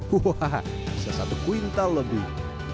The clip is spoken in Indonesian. bisa satu kuintal lebih